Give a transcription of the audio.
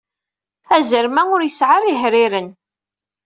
Azrem-a ur yesɛi ara ihriren.